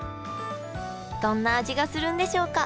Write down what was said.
どんな味がするんでしょうか？